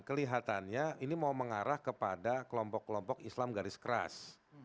kelihatannya ini mau mengarah kepada kelompok kelompok islam garis keras